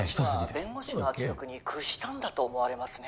弁護士の圧力に屈したんだと思われますね